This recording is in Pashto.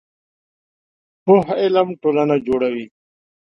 پوخ علم ټولنه جوړوي